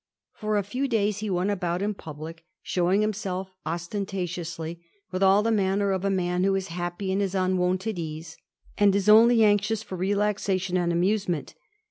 For a few days he went about in public, showing himself ostentatiously, with all the manner of a man who is happy in his unwonted ease, and is only anxious for relaxation and amusement.